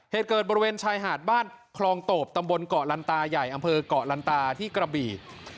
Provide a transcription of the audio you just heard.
เหตุเกิดบริเวณชายหาดบ้านคลองโตบตำบลเกาะลันตาใหญ่อำเภอกเกาะลันตาที่กระบี่